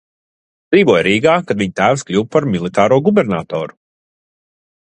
Dzīvoja Rīgā, kad viņa tēvs kļuva par militāro gubernatoru.